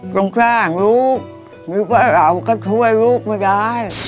ตรงข้างลูกมีพ่อเหล่าก็ช่วยลูกมาได้